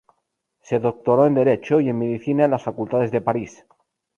Se doctoró en derecho y en medicina en las facultades de París.